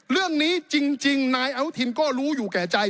เรื่องนี้จริงนายอนุทินก็รู้อยู่แก่ใจ